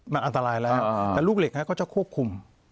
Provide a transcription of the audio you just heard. มันอันตรายแล้วแต่ลูกเหล็กก็จะควบคุม